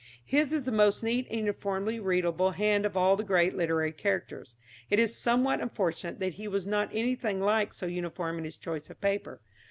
His is the most neat and uniformly readable hand of all the great literary characters. It is somewhat unfortunate that he was not anything like so uniform in his choice of paper.